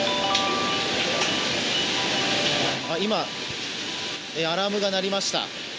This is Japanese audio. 今、アラームが鳴りました。